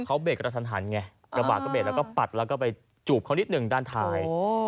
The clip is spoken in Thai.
เขาเบรกกระทันหันไงกระบาดก็เรกแล้วก็ปัดแล้วก็ไปจูบเขานิดหนึ่งด้านท้าย